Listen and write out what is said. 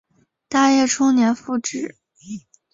大业初年复置。